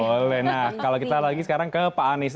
boleh nah kalau kita lagi sekarang ke pak anies